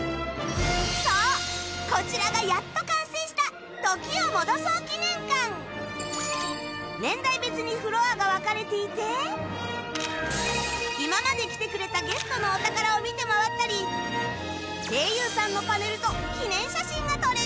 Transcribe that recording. そうこちらがやっと完成した今まで来てくれたゲストのお宝を見て回ったり声優さんのパネルと記念写真が撮れるんだよ！